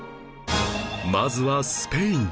まずはスペイン